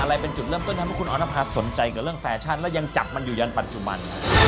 อะไรเป็นจุดเริ่มต้นทำให้คุณออนภาสนใจกับเรื่องแฟชั่นแล้วยังจับมันอยู่ยันปัจจุบัน